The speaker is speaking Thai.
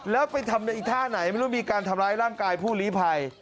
แล้วไปทำในอีกท่าไหนไม่รู้มีการทำร้ายร่างกายผู้ลีภัย